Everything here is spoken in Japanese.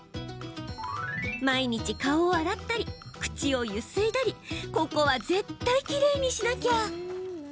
毎日、顔を洗ったり口をゆすいだりここは絶対きれいにしなきゃ。